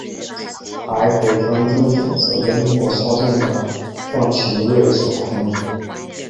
而北方政府则被幕后操纵的段祺瑞所控制。